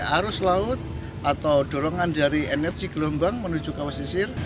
arus laut atau dorongan dari energi gelombang menuju ke pesisir